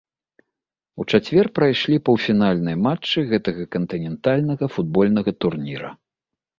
У чацвер прайшлі паўфінальныя матчы гэтага кантынентальнага футбольнага турніра.